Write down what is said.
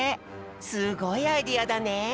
すごいアイデアだね！